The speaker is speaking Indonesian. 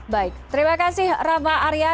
baik terima kasih rama arya